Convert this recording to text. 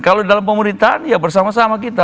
kalau dalam pemerintahan ya bersama sama kita